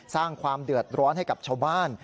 สร้างความเดือดร้อนให้กับชาวบ้าน